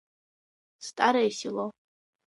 Старое село.